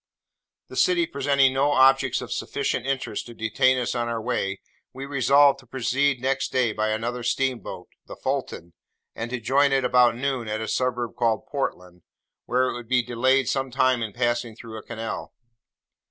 The city presenting no objects of sufficient interest to detain us on our way, we resolved to proceed next day by another steamboat, the Fulton, and to join it, about noon, at a suburb called Portland, where it would be delayed some time in passing through a canal.